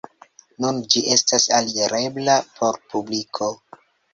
Nun ĝi estas alirebla por publiko.